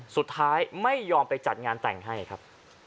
สุดท้ายไม่ยอมไปจัดงานแต่งให้ครับ